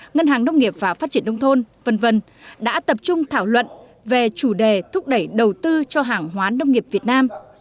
ngân hàng nông nghiệp và phát triển nông thôn v v đã tập trung thảo luận về chủ đề thúc đẩy đầu tư cho hàng hóa nông nghiệp việt nam